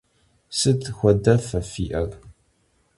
Sıt xuedefe fi'er?